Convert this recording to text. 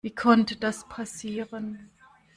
Wie konnte das passieren?